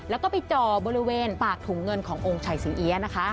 แล้วก็ไปจ่อบริเวณปากถุงเงินขององค์ชัยศรีเอี๊ยะนะคะ